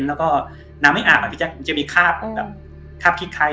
แล้วก็น้ำไม่อาบอะพี่แจ๊คมันจะมีคาบแบบคาบคิดใคร